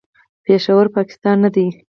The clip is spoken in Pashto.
پېښور، پاکستان نه دی.